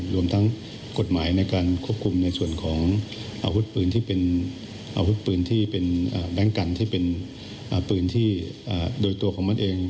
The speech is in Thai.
รวมทั้งกฎหมายในการควบคุมในส่วนของอาวุธปืนที่เป็นอาวุธปืนที่เป็นแบงค์กันที่เป็นปืนที่โดยตัวของมันเอง